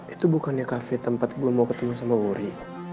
itu bukannya kafe tempat gue mau ketemu sama wuri